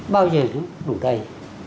bao nhiêu đủ đầy